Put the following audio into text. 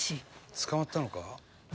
「捕まったのか？」